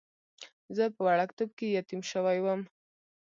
زه په وړکتوب کې یتیم شوی وم.